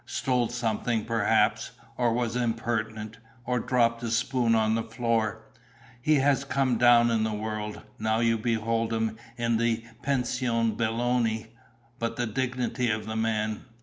Stole something, perhaps. Or was impertinent. Or dropped a spoon on the floor. He has come down in the world. Now you behold him in the Pension Belloni. But the dignity of the man!"